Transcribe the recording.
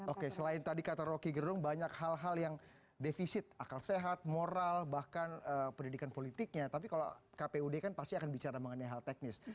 oke selain tadi kata rocky gerung banyak hal hal yang defisit akal sehat moral bahkan pendidikan politiknya tapi kalau kpud kan pasti akan bicara mengenai hal teknis